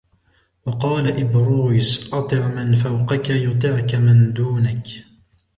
وَقَالَ إبرويس أَطِعْ مَنْ فَوْقَك ، يُطِعْك مَنْ دُونَك